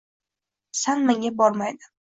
san-manga bormaydi.